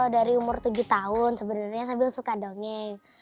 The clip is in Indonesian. dari umur tujuh tahun sebenarnya sabil suka mendongeng